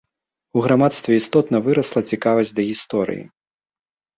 У грамадстве істотна вырасла цікавасць да гісторыі.